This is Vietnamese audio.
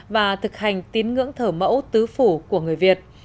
và thực hành tín ngưỡng thờ mẫu tứ phủ của người việt